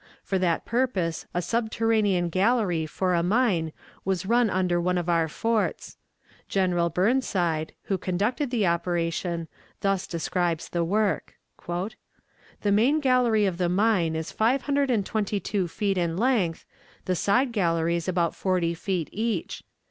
For that purpose a subterranean gallery for a mine was run under one of our forts. General Burnside, who conducted the operation, thus describes the work: "The main gallery of the mine is five hundred and twenty two feet in length, the side galleries about forty feet each.